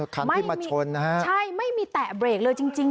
คันที่มาชนนะฮะใช่ไม่มีแตะเบรกเลยจริงจริง